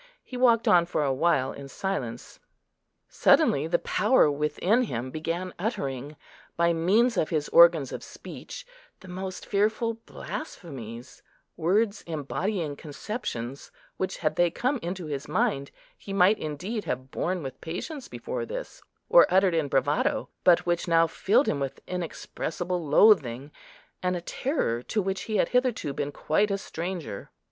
He walked on for a while in silence. Suddenly the power within him began uttering, by means of his organs of speech, the most fearful blasphemies, words embodying conceptions which, had they come into his mind, he might indeed have borne with patience before this, or uttered in bravado, but which now filled him with inexpressible loathing, and a terror to which he had hitherto been quite a stranger.